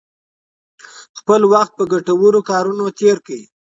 خپل وخت په ګټورو کارونو تیر کړئ.